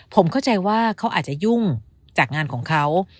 ผมเข้าใจว่าเขาอาจจะยุ่งจากงานของเขา